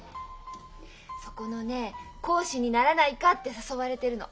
そこのね講師にならないかって誘われてるの。